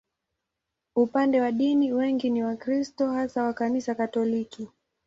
Upande wa dini, wengi ni Wakristo, hasa wa Kanisa Katoliki.